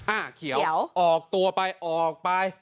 เขียวออกตัวไปออกไป